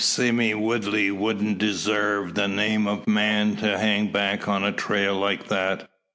Sime Woodley wouldn't desarve the name o' man, to hang back on a trail like that.